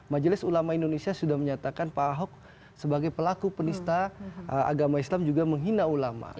majelis ulama indonesia sudah menyatakan pak ahok sebagai pelaku penista agama islam juga menghina ulama